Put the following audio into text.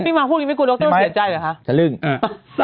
พี่มอสพูดงี้ไม่คุณรกเตอร์ว่าเสียใจเหรอคะ